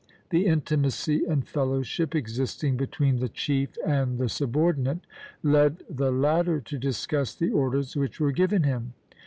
the intimacy and fellowship existing between the chief and the subordinate led the latter to discuss the orders which were given him....